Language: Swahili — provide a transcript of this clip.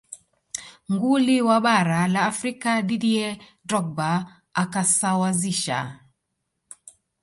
nguli wa bara la afrika didier drogba akasawazisha